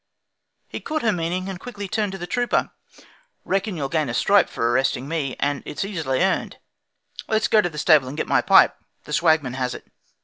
He caught her meaning, and quickly turned To the trooper: 'Reckon you'll gain a stripe By arresting me, and it's easily earned; Let's go to the stable and get my pipe, The Swagman has it.'